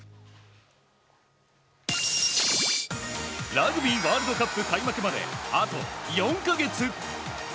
ラグビーワールドカップ開幕まで、あと４か月。